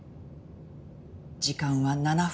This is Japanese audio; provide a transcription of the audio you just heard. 時間は７分。